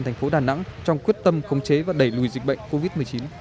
thành phố đà nẵng trong quyết tâm khống chế và đẩy lùi dịch bệnh covid một mươi chín